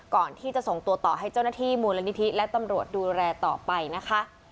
ก่อนที่จะส่งตัวต่อให้เจ้าหน้าที่มูลนิธิและตำรวจดูแลต่อไปนะคะ